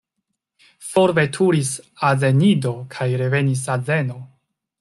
Forveturis azenido kaj revenis azeno.